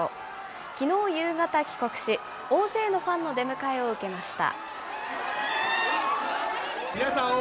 きのう夕方帰国し、大勢のファンの出迎えを受けました。